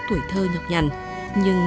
tuổi thơ nhọc nhằn nhưng